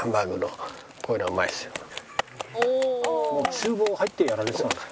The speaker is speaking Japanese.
厨房入ってやられてたんですか？